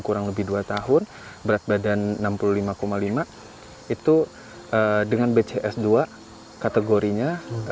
artinya putih itu berat badan kurang lebih enam puluh lima lima kilo dan kategori bcs nya dua